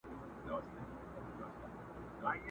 په افسانو کي به یادیږي ونه.!.!